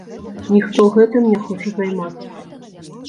Ніхто гэтым не хоча займацца.